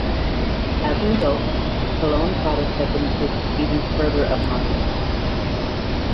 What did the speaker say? As a result, Poulan products have been pushed even further upmarket.